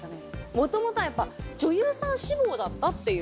もともとはやっぱ女優さん志望だったっていう？